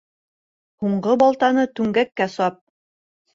Һуңғы балтаны түңгәккә сап.